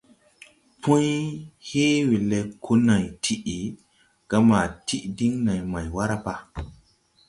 Pũy hee we le ko nãy ti, ga ma tiʼ din nãy may wara pa?